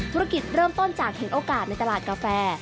ธุรกิจเริ่มต้นจากเห็นโอกาสในตลาดกาแฟ